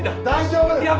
大丈夫！